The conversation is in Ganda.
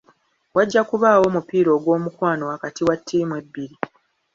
Wajja kubaawo omupiira ogw'omukwano wakati wa ttiimu ebbiri.